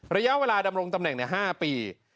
ระยะเวลาดำรงตำแหน่ง๕ปี